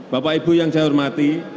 bapak ibu yang saya hormati